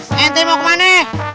sente mau ke mana